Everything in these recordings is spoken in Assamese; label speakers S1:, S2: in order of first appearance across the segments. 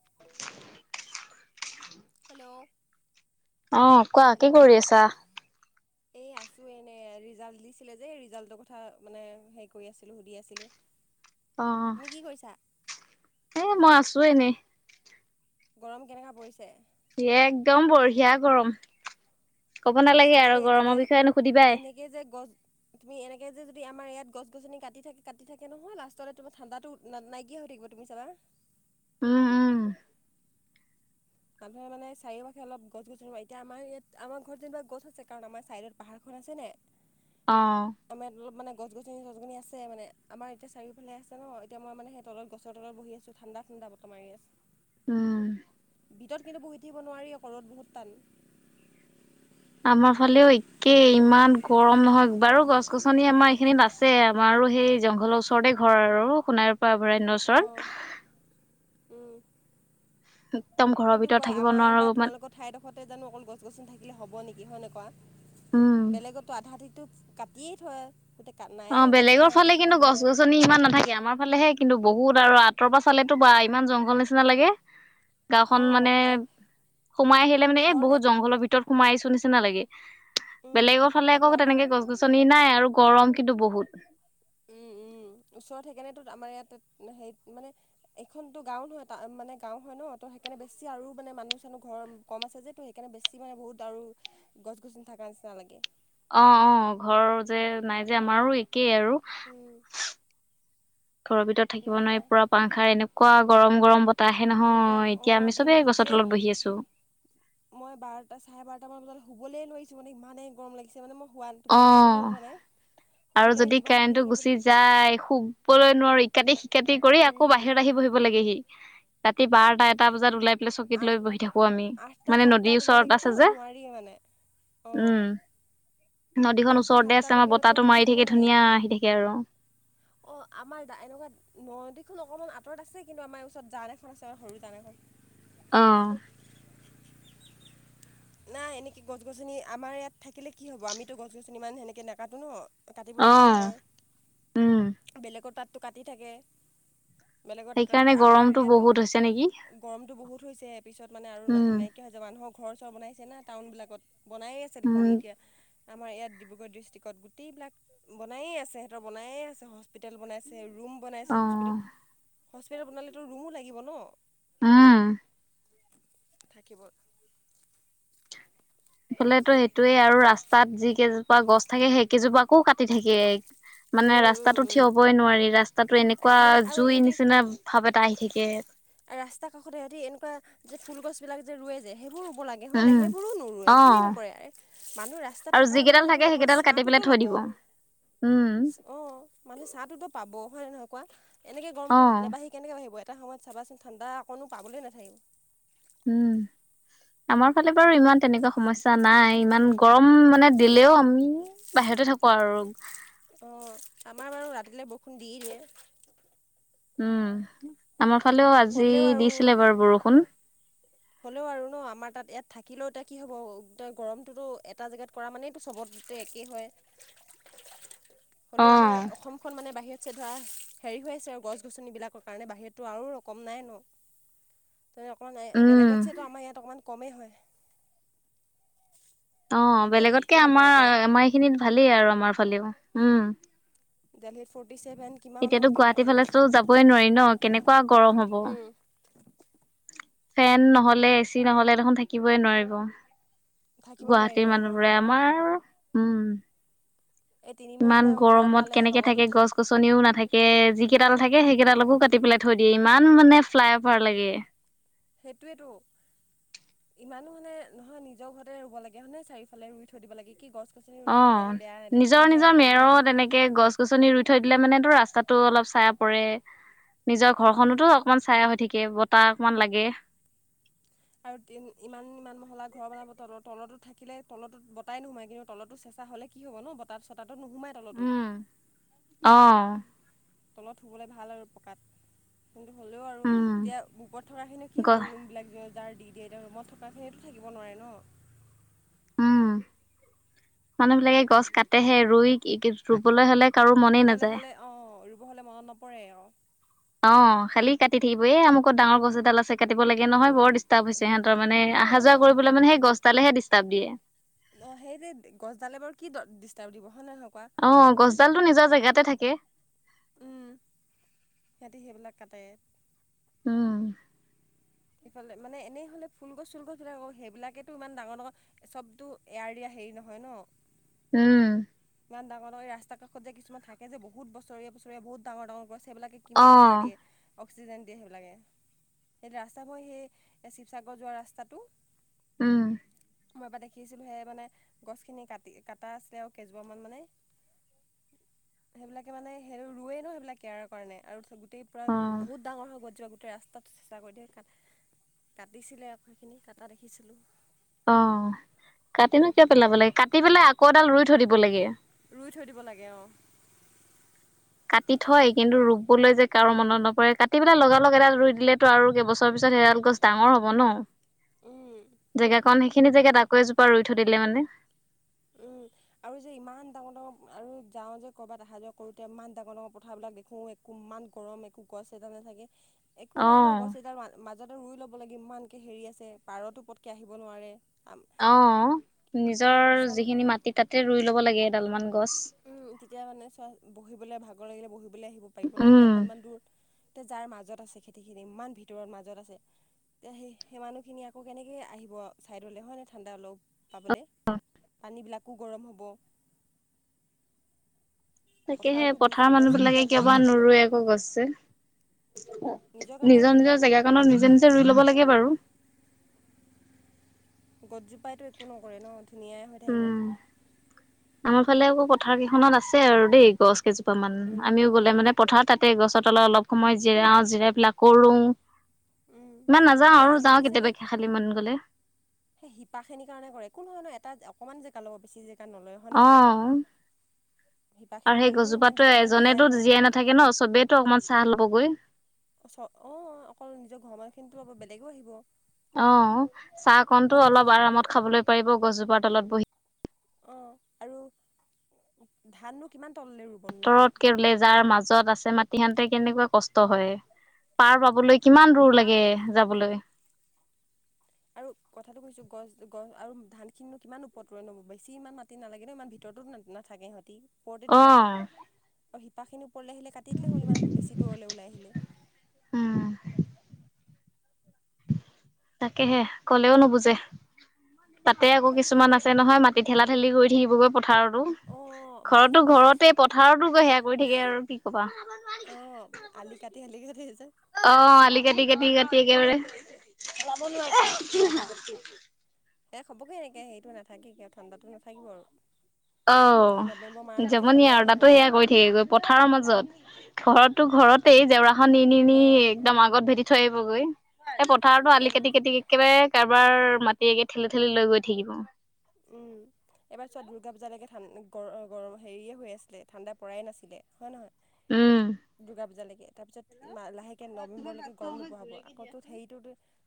S1: [inaudible]
S2: হেল্ল'
S1: অ কোৱা
S2: হেল্ল'
S1: কি কৰি আছা
S2: এই আছো এনে ৰিজাল্ট দিছিলে যে ৰিজাল্টৰ কথা মানে হেৰি কৰি আছিলো সুধি আছিলোঁ [inaudible]
S1: অ
S2: তুমি কি কৰিছা?
S1: এ মই আছো এনেই
S2: গৰম কেনেকৈ পৰিছে
S1: এ একদম বঢ়িয়া গৰম কব নালাগে আৰু গৰমৰ বিষয়েনো সুধিবাই
S2: ে যে গছ তুমি এনেকে যে যদি আমাৰ ইয়াত গছনি কাটি থ কাটিাকে নহয় লাষ্টতে তোমাৰ ঠাণ্ডাটো না নাইকিয়া হৈ থাকিব তুমি চাবা
S1: উম, উম।
S2: মানুহে মানে চাৰিও কাষে অলপ গছ ৰুৱা এতিয়া আমাৰ ইয়াত আমাৰ ঘৰত যেনিবা গছ আছে কাৰণ আমাৰ ছাইডত পাহাৰখন আছে নাই। [inaudible]
S1: অ'
S2: আমাৰ ইয়াত অলপ মানে গছনি চচগছনি আছে মানে আমাৰ এতিয়া চাৰিওফালে আছে ন এতিয়া মই মানে সেই তলত গছৰ তলত বহি আছোঁ। ঠাণ্ডা ঠাণ্ডা বৰতাহ মাৰি আছে।
S1: উম।
S2: ভিতৰত কিন্তু বহি থাকিব নোৱাৰি অ'ক ৰ'দ বহুত টান।
S1: আমাৰ ফালেও একে ইমান গৰম নহয় বাৰু গছ গছনি আমাৰ এইখিনিত আছে। যে আমাৰো সেই জংঘলৰ ওচৰতে ঘৰ আৰু সোণাৰ পৰা অভয়ৰণ্য
S2: অঁ
S1: ওচৰত
S2: উম,
S1: একদম ঘৰৰ
S2: কিন্তু
S1: ভিতৰত
S2: কোৱা
S1: থাকিব
S2: আমাৰ বা
S1: নোৱাৰো মানে
S2: তোমালোকত ঠাইডোখতে জানো অকল গছনি থাকিলে হ'বেকি হয়নে কোৱা।
S1: উম
S2: বেলেগতো আধা তিতটো কাটিয়েই থয়। গোটেই কা নায়ে
S1: অ'
S2: গছে
S1: বেলেগৰ
S2: নাই
S1: ফালে
S2: দেখি
S1: কিন্তু
S2: পাবলৈ নাই
S1: গছ গছনি ইমান নাথাকে। আমাৰ ফালেহে কিন্তু বহুত আৰু আঁতৰ পৰা চালেতো বা ইমান জংঘল নিচিনা লাগে। গাঁওখন
S2: অঁ
S1: মানে
S2: আহ,
S1: সোমাই আহিলে মানে এ
S2: ঘৰ নে
S1: বহুত জংঘলৰ ভিতৰত সোমাই আহিছোঁ নিচিনা লাগে।
S2: উম,
S1: বেলেগৰ ফালে
S2: তাতে
S1: আকৌ
S2: আমাৰ
S1: তেনেকে গছ গছনি নাই আৰু গৰম কিন্তু বহুত।
S2: উম, উম, ওচৰত সেইকাৰণে আমাৰ ইয়াত হে মানে এইখনতো গাঁও নহয় ত মানে গাঁও হয় ন ত সেইকাৰণে বেছি আৰু মানে মানুহ চানুহ ঘৰ কম আছে যে সেইকাৰণে বেছি মানে বহুত আৰু গছ গছনি থকাৰ নিচিনা লাগে।
S1: অ' অ' ঘৰ যে নাই যে আমাৰো একেই আৰু।
S2: উম,
S1: ঘৰৰ ভিতৰত থাকিব
S2: এনেকুৱা
S1: নোৱাৰি পোৰা পাংখাৰ এনেকুৱা গৰম গৰম বতাহ তাহে
S2: এনেকুৱা
S1: নহয় এতিয়া
S2: অঁ
S1: আমি চবেই
S2: দিনটোত
S1: গছৰ
S2: যে
S1: তলত বহি আছোঁ।
S2: মই বাৰটা চাৰে বাৰটা মান বজাত শুবলৈ নোৱাৰিছো মানে ইমানে গৰম লাগিছে মানে মই হোৱা নাই
S1: অ
S2: টোপনি ক্ষতি হ'ল মানে।
S1: আৰু যদি
S2: যিমান শুই
S1: কাৰেণ্টটো
S2: থাকিম বুলি
S1: গুচি যায় শুবলৈ নোৱাৰো ইকাটি শিকাটি কৰি আকৌ
S2: উম
S1: বাহিৰত আহি বহিব লাগেহি। ৰাতি বাৰটা এটা বজাত ওলাই পেলাই চকীত
S2: আঠ
S1: লৈ বহি থাকো। আমি
S2: আঠটা
S1: মানে
S2: সাতটা
S1: নদীৰ ওচৰত আছে যে
S2: অ'।
S1: উম নদীখন ওচৰতে আছে, আমাৰ বতাহটো
S2: শুই
S1: মাৰি
S2: থাকিব
S1: থাকে ধুনীয়া আহি থাকে আৰু।
S2: অ' আমাৰ এনেকুৱা নদী খন অকণমান আঁতৰত আছে। কিন্তু আমাৰ ওচৰত জান এখন আছে, সৰু জান এখন।
S1: অ'।
S2: নাই এনেকৈ গছ গছনি আমাৰ ইয়াত থাকিলে কি হ'ব। আমিতো গছ গছনি ইমান সেনেকৈ নেকাটো ন। কাটিবলগীয়া
S1: অ'।
S2: নহয়
S1: উম,
S2: বেলেগৰ তাতটো কাটি থাকে। বেলেগৰ
S1: সেইকাৰণে
S2: তাতকৈ আমাৰ
S1: গৰমটো
S2: ইয়াত
S1: বহুত হৈছে নেকি?
S2: গৰমটো বহুত হৈছে, পিছত মানে আৰু
S1: উম।
S2: নাইকিয়া হৈছে, মানুহৰ ঘৰ চৰ বনাইছে না টাউন বিলাকত বনায়ে আছে
S1: উম,
S2: দেখোন এতিয়া। আমাৰ ইয়াত ডিব্ৰুগড় ডিষ্ট্ৰিক্টত গোটেইবিলাক বনায়ে আছে, সিহঁতৰ বনায়ে আছে, হস্পিতেল বনাইছে। ৰুম বনাইছে,
S1: অ',
S2: হস্পিতেল, হস্পিতেল বনালেতো ৰুমো লাগিব ন।
S1: উম।
S2: থাকিব।
S1: ইফালেতো সেইটোয়েই আৰু ৰাস্তাত যি কেইজোপা গছ থাকে সেই কেইজোপাকো কাটি থাকে। মানে
S2: উম উম
S1: ৰাস্তাটো
S2: উম
S1: থিয় হবই নোৱাৰি, ৰাস্তাতো এনেকুৱা
S2: মানে আৰু
S1: জুই
S2: ইহঁতি
S1: নিচিনা। ভাপ এটা আহি থাকে।
S2: ৰাস্তা কাষতে ইহতি এনেকুৱা যে ফুল গছ বিলাক যে ৰুৱে যে সেইবোৰ ৰুব লাগে। এহ নে
S1: উম,
S2: সেইবোৰো নোৰুয়ে একোৱেই
S1: অ',
S2: নকৰে, মানুহ ৰাস্তাত
S1: আৰু
S2: থকা
S1: যিকেইডাল
S2: মানুহেতো
S1: থাকে
S2: অকণমান
S1: সেইকেইডাল কাটি পেলাই
S2: ছাঁটোতো
S1: থৈ
S2: ল'ব।
S1: দিব। উম,
S2: অ'। মানুহ চাটোতো পাব হয় নহয় কোৱা। এনেকে গৰমটো
S1: অ',
S2: নাবাঢ়ি কেনেকে বাঢ়িব এটা সময়ত চাবাচোন। ঠাণ্ডা অকণো পাবলই নাথাকিব।
S1: উম। আমাৰ ফালে বাৰু ইমান তেনেকুৱা সমস্যা নাই ইমান গৰম মানে দিলেও আমি। বাহিৰতে থাকো আৰু।
S2: অ' আমাৰ বাৰু ৰাতিলৈ বৰষুণ দিয়েই দিয়ে।
S1: উম আমাৰ ফালেও আজি
S2: হ'লেও আৰু
S1: দিছিলে বাৰু বৰষুণ।
S2: হ'লেও আৰু ন আমাৰ তাত ইয়াত থাকিলেও এতিয়া কি হ'ব এয়া গৰমটোতো এটা জেগাত কৰা মানে চবতে একে হয় হলেও আমাৰ অসম খন মানে বাহিৰত চে ধৰা হেৰি হৈ আছে আৰু গছ গছনিবলাকৰ কাৰণে বাহিৰততো আৰু ৰকম নাই ন। তাৰ অকণমান
S1: উম
S2: বেলেগত চেটো আমাৰ ইয়াত অকণমান কমেই হয়।
S1: অ'
S2: এতিয়া দেলহিত
S1: বেলেগতকে
S2: কিমান পাই
S1: আমাৰ
S2: যায়
S1: আমাৰ এইখিনিত ভালেই আৰু আমাৰ ফালেও উম।
S2: দেলহিত ফৰ্টি ছেভেন
S1: এতিয়াতো
S2: কিমানলৈকে
S1: গুৱাহাটী
S2: পায়ে
S1: ফালেতো
S2: গৈছিল
S1: যাবই নোৱাৰি ন কেনেকুৱা গৰম হ'ব
S2: উম।
S1: ফেন নহলে এ চি নহলে দেখোন থাকিবই নোৱাৰিব।
S2: থাকিব নোৱাৰিব
S1: গুৱাহাটীৰ
S2: অঁ
S1: মানুহবোৰে আমাৰ উম
S2: এই তিনিমূৰ হ'লে
S1: ইমান
S2: ঘৰ
S1: গৰমত
S2: পেলালে
S1: কেনেকে
S2: তলতো
S1: থাকে
S2: থাক
S1: গছ গছনিও নাথাকে যি কেইডাল থাকে সেই
S2: উম
S1: কেইডালকো কাটি পেলাই ধৈ দিয়ে ইমান মানে ফ্লাই অভাৰ লাগে
S2: সেইটোৱেতো ইমানো মানে নহয় নিজৰ ঘৰতে ৰুব লাগে হয়নেে চাৰিওফালে ৰুই থৈ দিব লাগে কি গছনি
S1: অ
S2: ৰুলেো বেয়া নাই দেখিুনীয়াই দেখি হয় নে নহয়
S1: একে গছ গছনি ৰুই থৈ দিলে মানেটো ৰাস্তাতটো অলপ চাইয়া পৰে নিজৰ
S2: অঁ
S1: ঘৰখনোতো অকমান ছাইয়া হৈ থাকে বতাহ অকমান লাগে
S2: আৰু ইমান ইমান মহলা ঘৰ বনাব তল তলো থাকিলে তলতটোত বতাই নোসোমাই কিন্তু তলতটো চঁচা হ'লে কি হ'ব ন বতাত চতাতটো নোসোমাই তলতটোত
S1: উম অ
S2: তলত শুবলৈ ভাল আৰু পকাত কিন্তটো হ'লেও আৰু
S1: উম
S2: এতিয়া বুকত থকা খিনি কি
S1: গ
S2: হ'ব ৰুম বিলাক য যাৰ দি দিয়েতিয়া ৰুমত থকাখিনেতো থিব নোৱাৰে ন
S1: উম মানুহ বিিলাকে গছ কাটহে ৰুই ৰুবলৈ হলে কাৰো মনেই
S2: ৰুবলৈ
S1: নাযায়
S2: হ'লে অঁ ৰুব হ'লে মনত নপৰে অ
S1: অ খালি কাটি থাকিব এ আ মুোকত ডাঙৰ গছ এডাল আছে কাটিব লাগে
S2: উম
S1: নহয় বৰ
S2: উম
S1: ডিষ্টাৰ্ব হৈছে সিহঁতৰ মানে
S2: অ
S1: অহা
S2: অ
S1: যোৱা কৰিব মে সেই গছডালেহে ডিষ্টাৰ্ব দিয়ে
S2: অ সেই যে গছডালে বাৰু কি ডিষ্টাৰ দিব হয় নহ নহয় কোৱা
S1: অ গছডালটো নিজৰ জেগাতে থাকে
S2: উম সিহঁতি সেইবিলাক কাটে
S1: উম
S2: ইফালে মানে এনেই হ'লে ফুল গছ চুল গছবিলাকৌ সেইবিলাকেতো ই ডাঙৰ ডাঙৰ চবতো এয়াৰ দিয়া হেৰি নহয় ন
S1: উম
S2: ইমান ডাঙৰ ৰাস্তা কষত যে কিছুমান থাকে যেহু বৰেীয়া বছৰেীয়া বহুত ডাঙ ডাঙৰ কৰে সেইবিলে
S1: অ
S2: কিমান এয়াৰ দিয়ে অক্সিজেন দিয়ে সেইবিলাকে সেই ৰাস্ত মই সেই শিৱসাগৰ যোৱা ৰাস্তাটো
S1: উম
S2: মই এপৰা দেখিছিলো সে মানে গছখিনি কাটি কাটা আছিলে আৰু কেইজোপ মান মানে সেইবিলাকে মানে সেইটো ৰুোৱে ন সেইবিলাক কেয়াৰ কাৰণে আৰু গোটেই পৰা
S1: অ
S2: বুতাঙৰ হৈ গ যোৱা গোেই ৰাস্তাটো চেচা কৰি দিয়ে কাটিছিলে আকৌ সেইখিনি কটা দেখিছিলোঁ
S1: অ কাটিিনো কিয় পেলাব লাগে কাটি পেলাই আকৌ এডাল ৰুই থৈ দিব লাগে
S2: ৰুই থৈ দিব লাগে অ
S1: কাটি থয় কিন্তু ৰুবলৈ যে কাৰো মনত নপৰে কাটি পেলাই লগাল লগগ এডাল ৰুই দিলেতো আৰু কেইবছৰ পিছত সেইডাল গছ ডাঙৰ হ'ব ন
S2: উম।
S1: জেগাকন সেইখিনি জেগাত আকৌ এজোপা ৰুই থৈ দিলে মানে
S2: উম। আৰু যে ইমান ডাঙৰ ডাঙৰ আৰু যাওঁ যে কৰ'ৰবাত অহা যোৱা কৰোতে ইমান ডাঙৰ ডাঙৰ পথাৰবিলাক দেখো কোমান গৰম একো গছ এটা নাথাকে। একো নাই ন'
S1: অ
S2: গছ এডাল মাজতে ৰুই ল'ব লাগে ইমানকে হেৰি আছে পাৰতো পটকে আহিব নোৱাৰে।
S1: অ',
S2: অঁ
S1: নিজৰ
S2: কিছুমানত
S1: যিখিনি মাটি তাতে ৰুই লব লাগে এডালমান গছ।
S2: তেতিয়া মানে চোৱা বহিবলৈ ভাগৰ লাগিলে বহিবলৈ আহিব পাৰিব ন' এতিয়া অকণমান দূৰত তা যাৰ মাজত আছে খেতিখিনি ইমান ভিতৰত মাজত আছে এতিয়া সেই সেই মানুহখিনি আকৌ কেনেকৈে আহিব ছাইডলৈ হয়নে ঠাণ্ডা অলপ। পাবলৈ পানীবিলাকো গৰম হ'ব।
S1: তাকেহে
S2: পথাৰতো গছ
S1: পথাৰৰ মানুহ
S2: গছ
S1: বিলাকে
S2: এজোপা ৰুই
S1: কিয়বা
S2: ল'ব লাগে
S1: নৰুৱে আকৌ গছছে।
S2: কাৰণে
S1: নিজৰ
S2: সুবিধা
S1: নিজৰ
S2: কৰি ল'ব
S1: জেগাখনত
S2: লাগে
S1: নিজে
S2: হয়
S1: নিজে
S2: নাই
S1: ৰুই লব লাগে বাৰু।
S2: গছজোপাইতো একো নকৰে ন' ধুনীয়াই হৈ থাকিব।
S1: আমাৰফালে আকৌ পথাৰ কেইখনত আছে আৰু দেই গছ কেইজোপা মান
S2: উম
S1: আমিও গ'লে মানে পথাৰত তাতে গছত তলত অলপ সময় জিৰাও জিৰাই পেলাই আকৌ ৰুও।
S2: উম
S1: ইমান নাযাওঁ
S2: মানে
S1: আৰু যাওঁ
S2: ইহঁতি চাগে
S1: কেতিয়াবাে খালী মন গ'লে।
S2: সেই শিপাখিনিৰ কাৰনে কৰে একো নহয় নহয় এটা অকনমান জেগা লব বেছি জেগা নলয়। হয় নে নহয় কোৱা
S1: অ',
S2: শিপাখিনি
S1: আৰু সেই
S2: ওলালেনো ইমান
S1: গজোপাতটো
S2: দীঘলে নাযায়
S1: এজনেতো
S2: নহয়
S1: জীয়াই নাথ থাকে ন' চবেইেতটো অকমান ছাহ ল'বগৈ।
S2: অ', অকল নিজৰ ঘৰ মানুহখিনিতো লব বেলেগো আহিব।
S1: অ',
S2: কিমান
S1: চাহকণতো
S2: শান্তি
S1: অলপ
S2: পায়।
S1: আৰামত খাবলৈ পাৰিব গছজোপা তলত বহি।
S2: অ', আৰু ধাননো কিমান তললে ৰু
S1: আঁতৰত [unintelligible] কেলেজাৰ মাজত আছে মাটি আনোতে কেনেকুৱা কষ্ট হয় পাৰ পাবলৈ কিমান
S2: উম
S1: দূৰ লাগে যাবলৈ।
S2: আৰু কথাটো কৈছো গছ গছ আৰু ধান খিনিনো কিমান উপৰত ৰুৱেনো বেছি ইমান মাটি নালাগে ন' ইমান ভিত ভিতৰতো নাথাকে ইহঁতি। ওপৰতেতো লাগে
S1: অ',
S2: আৰু শিপাখিনি ওপৰলৈ আহিলে কাটি দিলে হ'ল ইমান বেছি দূৰলৈ ওলাই আহিলে।
S1: উম, তাকেহে কলেও নুবুজে তাতে আকৌ
S2: কাক কি
S1: কিছুমান
S2: ক'বা
S1: আছে নহয় মা মাটি ঠেলা ঠেলি কৰি থাকিবগৈ পথাৰত।
S2: অঁ মাটি
S1: ঘৰতো
S2: খেদা
S1: ঘৰতে পথাৰতো সেয়া কৰি থাকে আৰু কি কবা।
S2: অঁ আলি কাটি শালিকে চাটিছে [unintelligible]
S1: অ', আলি কাটি কাটি কাটি একেবাৰে।
S2: এ হ'বগে এনেকে সেইটো নাথাকেগে আৰু ঠাণ্ডাতো নথাকিব আৰু নৱেম্বৰ
S1: অ',
S2: মাহলৈকে
S1: জমনি
S2: ঠাণ্ডাই
S1: আৰু তাতো
S2: নোসোমাব
S1: সেয়া গৈ সে গৈ পথাৰৰ মাজত ঘৰতো ঘৰতে জেওৰাখন নি নি নি
S2: অঁ
S1: একদম আগত ভেটি থৈ আহিবগৈ এই পথাৰতো
S2: এই
S1: আলি কাটি কটি একেবাৰে কাৰোবাৰ মাটি ঠেলি ঠেলি লৈ গৈ থাকিব
S2: উম। এইবাৰ চোৱা দুৰ্গা পূজালৈকে ঠাণ্ গৰ-গৰম হেৰিয়ে হৈ আছিলে ঠাণ্ডা পৰাই নাছিলে হয় নহয়।
S1: উম,
S2: দুৰ্গাপূজা লেকে এ তাৰপিছত লাহেকে নৱেম্বৰলৈকে গৰম নোপোৱা হ'ব, আকৌতো হেৰিটোত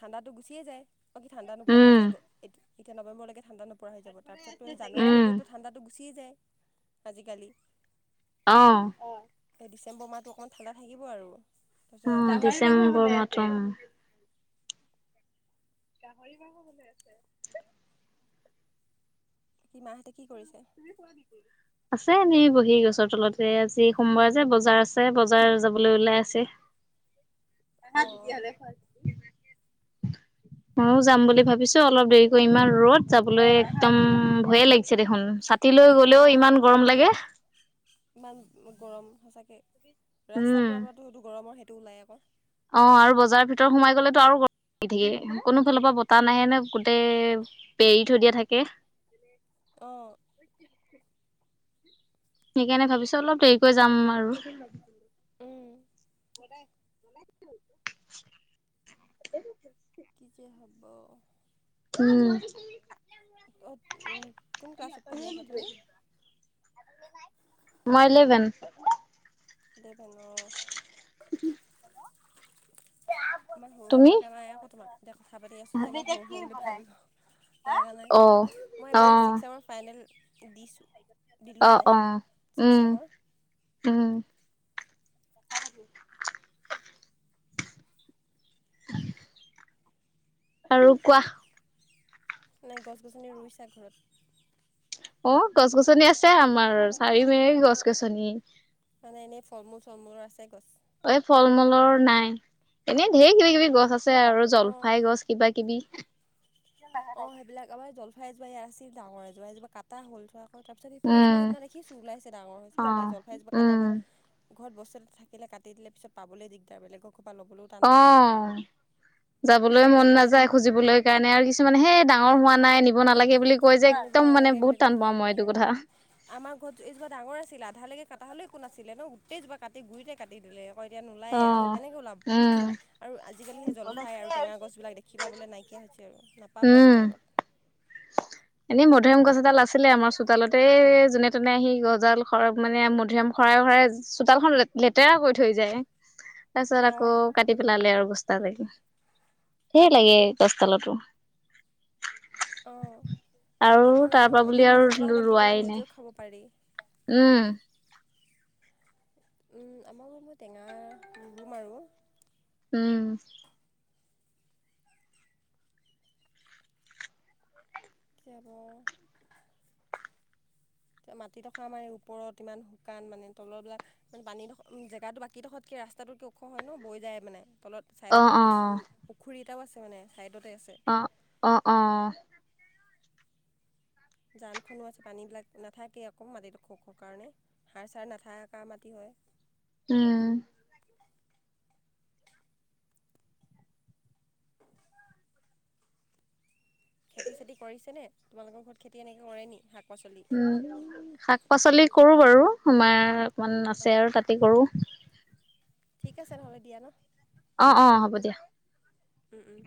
S2: ঠাণ্ডাটো গুচিয়ে যায়। অকি ঠাণ্ডা নোপোৱা হৈ
S1: উম।
S2: যায় এতিয়া নৱেম্বৰলৈকে ঠাণ্ডা নো হৈ যাব তাৰপিছতো জানুৱাৰী
S1: উম,
S2: ফেব্ৰুৱাৰীতটো ঠাণ্ডাটো গুচিয়ে যায় আজিকালি।
S1: অ'।
S2: এই ডিচেম্বৰ মাহটো অকণমান ঠাণ্ডা থাকিব আৰু। তাৰপিছত
S1: উ,
S2: নাথাকে আৰু
S1: ডিচেম্বৰ মাহটো উ। [unintelligible]
S2: সি মাহঁতি কি কৰিছে?
S1: আছে এনেই বহি গছৰ তলতে, আজি সোমবাৰ যে বজাৰ আছে বজাৰ যাবলৈ ওলাই আছে।
S2: [inaudible] অঁ
S1: [unintelligible]
S2: [inaudible]
S1: মইও যাম বুলি ভাবিছো অলপ দেৰিকৈ ইমান ৰ'দ যাবলৈ একদম ভয়ে লাগিছে দেখোন। ছাতি লৈ গ'লেও
S2: অঁ
S1: ইমান গৰম লাগে।
S2: ইমান গৰম সঁচাকে
S1: উম,
S2: ৰাস্তাৰ প পৰাতো সেইটো গৰমৰ সেইটো ওলাই আকৌ।
S1: অ আৰু বজাৰৰ ভিতৰত সোমাই গ'লেতো আৰু গৰমি- থাকে। কোনো ফালৰ পৰা বতাহ নাহে
S2: উম,
S1: নে গোটেই বেৰি থৈ দিয়া থাকে।
S2: অ।
S1: সেইকাৰণে ভাবিছো অলপ দেৰিকৈ যাম আৰু।
S2: উম।
S1: [unintelligible] [unintelligible]
S2: কি যে হ'ব।
S1: উম।
S2: অঁ কোন ক্লাছত পঢ়ি আছা তুমি?
S1: মই এলিভেন।
S2: [unintelligible] ইমান সৰু সৰু
S1: তুমি?
S2: লগা নাই আকৌ তোমাক। এতিয়া কথা পাতি আছোঁ যে ইমান সৰু সৰু বুলি ভাবি লগা নাই।
S1: অ,
S2: মই
S1: অ,
S2: এইবাৰ ছিক্সমৰ ফাইনেল দিছোঁ। দিলোঁ
S1: অ
S2: মানে
S1: অ
S2: ছিক্স
S1: উম
S2: চেমৰ
S1: উম। আৰু কোৱা?
S2: নাই গছ-গছনি ৰুইছা ঘৰত?
S1: অ গছ-গছনি আছে আমাৰ চাৰি মে গছ গছনি।
S2: মানে এনেই ফলমূল-চলমূলৰ আছে গছ।
S1: এই ফল মূলৰ নাই, এনেই ঢেৰ কিবি কিবি গছ আছে। আৰু জলফাই গছ কিবা কিবি।
S2: অ সেইবিলাক আমাৰ জলফাই এজোপা ইয়াত আছিল ডাঙৰ এজোপা সেইজোপা কাটা হ'ল। হয় তাৰপিছত সিইফালে এজোপা
S1: উম।
S2: সিদিনা দেখিছো ওলাইছে ডাঙৰ হৈছে,
S1: অ,
S2: এই জলফাই এজোপা কাটাৰ পৰা
S1: উম,
S2: ঘৰত বস্তু এটা থাকে কাটি দিলে পিছত পাবলৈ দিগদাৰ। বেলেগৰ কৰা ল'বও
S1: অ যাবলৈ
S2: সেইবিলাক
S1: মন
S2: এতিয়া
S1: নাযায় খুজিবলৈ কাৰণে আৰু কি কি মানে সেই ডাঙৰ হোৱা নাই নিব নালাগে বুলি কয় যে
S2: আনিব
S1: একদম
S2: নালাগে
S1: মানে
S2: বুলি
S1: বহুত
S2: কৈ
S1: টান
S2: দিয়ে।
S1: পাওঁ মই এইটো কথা।
S2: আমাৰ ঘৰত এজোপা ডাঙৰ আছিল, আধালৈকে কাটা হ'লেও একো নাছিলে ন গোটেইোপ কাটি, গুৰিতে কাট দিলে। আকৌ এতিয়া নোলায়ে আৰু,
S1: অ',
S2: কেনেকৈ ওলাব।
S1: উম।
S2: আৰু আজিকালি সেই জলফাই আৰু টেঙা গছবিলাক দেখি পাবলৈ নাইকিয়া হৈছে আৰু, নাপাব এটা টাইমত। [inaudible]
S1: মধুৰিম গছ এডাল আছিলে আমাৰ চোতালতে যোনে তোনে আহি গছডাল মানে মধুৰিম শৰাই শৰাই চোতালখন লেতেৰা কৰি থৈ যায়। তাৰ পিছত আকৌ
S2: অঁ
S1: কাটি পেলালে আৰু গছডাল। ধেৰ লাগে গছ তালতো।
S2: অ।
S1: আৰু
S2: হ'লেও মানে
S1: তাৰ
S2: ন
S1: পৰা বুলি
S2: এতিয়া
S1: আৰু
S2: গছিজোপা হ'লে
S1: ৰোৱাই
S2: কেতিয়াবা
S1: নাই
S2: নিজেও খাব পাৰি।
S1: উম,
S2: উম আমাৰ মনে টেঙা [unintelligible]
S1: উম।
S2: যাব। মাটিডখৰ আমাৰ এই ওপৰত ইমান শুকান মানে তলবিলাক মানে পানীডোখ জেগাটো বাকীডোখৰতকৈ ৰাস্তাটো কি ওখ হয় ন বৈ যায় মানে তলত।
S1: অ',
S2: ছাইডতে
S1: অ',
S2: পু-পুখুৰী এটাও আছে মানে, ছাইডতে আছে।
S1: অ অ।
S2: জানখনো আছে পানীবিলাক নাথাকেই আকৌ মাটিটো সখৰ কাৰণে সাৰ চাৰ নাথকা মাটি হয়
S1: উম
S2: খেতি চেতি কৰিছে নে তোমালোকৰ ঘৰত খেতি এনেকে কৰে নি হাত
S1: উম শাক পাচলি কৰো বাৰু আমাৰ অকমান আছে
S2: অঁ
S1: আৰু তাতে কৰো
S2: ঠিক আছে নহ'লে দিয়া
S1: অ অ হ'ব দিয়া
S2: ন